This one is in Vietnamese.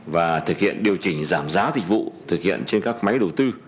và thực hiện điều chỉnh giảm giá dịch vụ thực hiện trên các máy đầu tư